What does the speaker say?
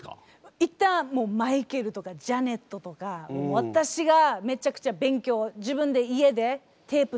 行ったもうマイケルとかジャネットとか私がめちゃくちゃ勉強自分で家でテープ